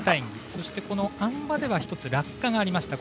そして、あん馬では１つ落下がありました。